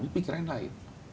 ini pikiran lain